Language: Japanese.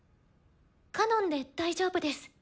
「カノン」で大丈夫です。